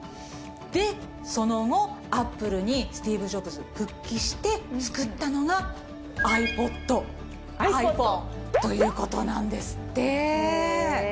でその後「アップル」にスティーブ・ジョブズ復帰して作ったのがｉＰｏｄｉＰｈｏｎｅという事なんですって。